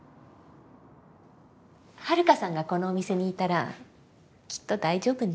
ハルカさんがこのお店にいたらきっと大丈夫ね。